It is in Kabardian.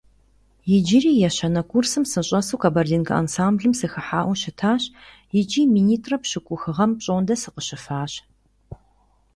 Иджыри ещанэ курсым сыщӀэсу, «Кабардинка» ансамблым сыхыхьауэ щытащ икӀи минитӀрэ пщӀыкӀухрэ гъэ пщӀондэ сыкъыщыфащ.